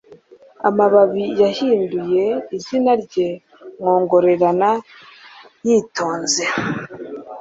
Amababi yahinduye izina rye mwongorerana yitonze